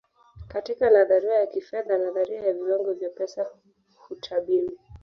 katika nadharia ya kifedha nadharia ya viwango vya pesa hutabiri